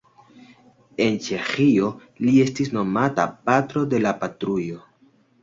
En Ĉeĥio li estis nomata "Patro de la Patrujo".